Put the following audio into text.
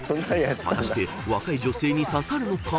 ［果たして若い女性に刺さるのか？］